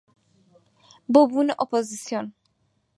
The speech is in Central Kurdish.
بۆ بوونە ئۆپۆزسیۆن